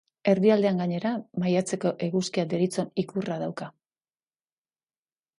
Erdialdean, gainera, Maiatzeko Eguzkia deritzon ikurra dauka.